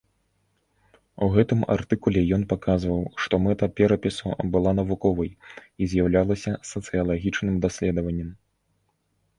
У гэтым артыкуле ён паказваў, што мэта перапісу была навуковай, і з'яўлялася сацыялагічным даследаваннем.